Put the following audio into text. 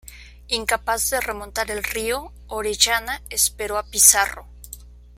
Incapaz de remontar el río, Orellana esperó a Pizarro.